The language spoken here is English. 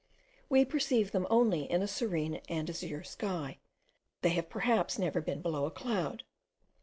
We perceive them only in a serene and azure sky; they have perhaps never been below a cloud.